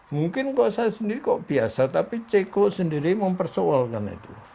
mungkin kok saya sendiri kok biasa tapi ceko sendiri mempersoalkan itu